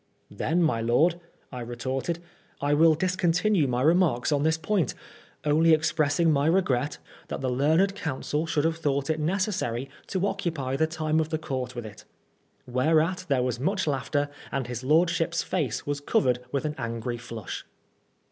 " Tlien, my lord," I retorted, "I will discon tinue my remarks on this point, only expressing my regret that the learned counsel should have thought it necessary to occupy the time of the court with it." Whereat there was much laughter, and his lordship's face was covered with an angry flush.